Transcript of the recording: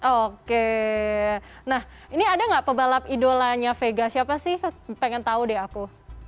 oke nah ini ada nggak pebalap idolanya vega siapa sih pengen tahu deh aku